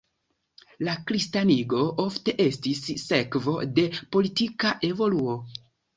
La kristanigo ofte estis sekvo de politika evoluo.